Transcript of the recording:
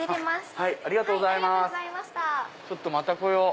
ちょっとまた来よう。